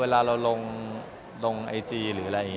ก็ดีครับอ่านสนุกดีเฉพาะผมไม่เล่น